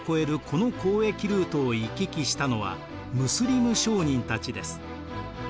この交易ルートを行き来したのはムスリム商人たちです。